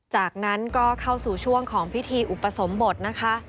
จากนั้นก็เข้าสู่ช่วงของพิธีอุปสมบทนะคะ